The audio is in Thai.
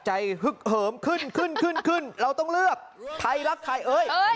ฮึกเหิมขึ้นขึ้นขึ้นขึ้นเราต้องเลือกใครรักใครเอ้ย